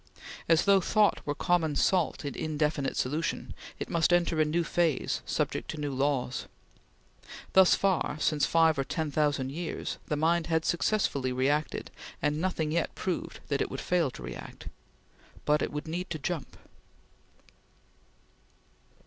As though thought were common salt in indefinite solution it must enter a new phase subject to new laws. Thus far, since five or ten thousand years, the mind had successfully reacted, and nothing yet proved that it would fail to react but it would need to jump.